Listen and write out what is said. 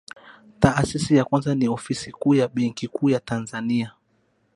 taasisi ya kwanza ni ofisi kuu ya benki kuu ya tanzania